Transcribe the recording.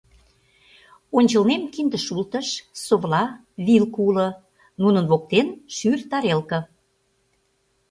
Ончылнем кинде шултыш, совла, вилка уло, нунын воктен — шӱр тарелке.